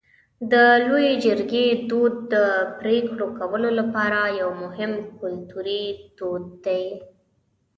د لویې جرګې دود د پرېکړو کولو لپاره یو مهم کلتوري دود دی.